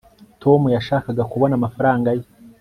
tom yashakaga kubona amafaranga ye